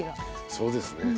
そうですね。